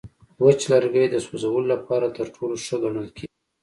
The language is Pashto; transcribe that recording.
وچ لرګی د سوځولو لپاره تر ټولو ښه ګڼل کېږي.